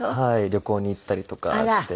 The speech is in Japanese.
旅行に行ったりとかして。